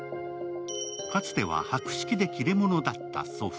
かつては博識で切れ者だった祖父。